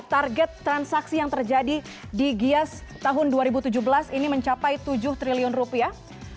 target transaksi yang terjadi di gias tahun dua ribu tujuh belas ini mencapai tujuh triliun rupiah